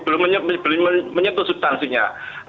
belum menyentuh substansinya